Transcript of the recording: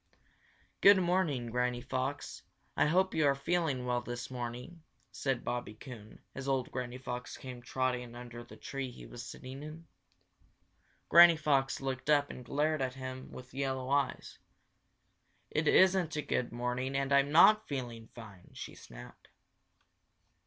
"Good morning, Granny Fox. I hope you are feeling well this morning," said Bobby Coon, as old Granny Fox came trotting under the tree he was sitting in. Granny Fox looked up and glared at him with yellow eyes. "It isn't a good morning and I'm not feeling fine!" she snapped.